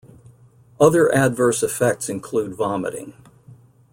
Other adverse effects include vomiting.